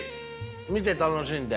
見て楽しんで。